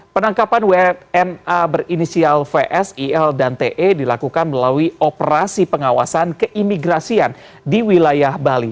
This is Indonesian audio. penangkapan wna berinisial vs il dan te dilakukan melalui operasi pengawasan keimigrasian di wilayah bali